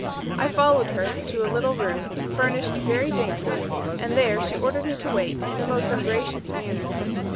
I followed her to a little room, furnished very daintily; and there she ordered me to wait, in a most ungracious manner.